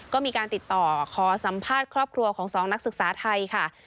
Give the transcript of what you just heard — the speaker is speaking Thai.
ก็มีการติดต่อขอสัมภาษณ์ครอบครัวของ๒นักศึกษาไทยค่ะ